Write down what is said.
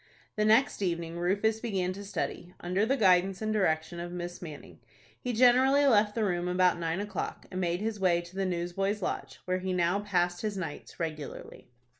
The next evening, Rufus began to study, under the guidance and direction of Miss Manning. He generally left the room about nine o'clock, and made his way to the Newsboys' Lodge, where he now passed his nights regularly.